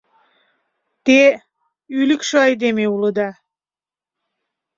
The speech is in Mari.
— Те — ӱлыкшӧ айдеме улыда.